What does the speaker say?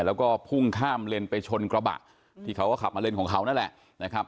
แล้วก็พุ่งข้ามเลนไปชนกระบะที่เขาก็ขับมาเลนของเขานั่นแหละนะครับ